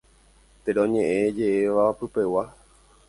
Teroñe'ẽje'éva pypegua.